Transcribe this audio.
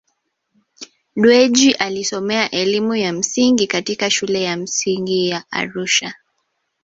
Dewji Alisomea elimu ya msingi katika shule ya msingi ya Arusha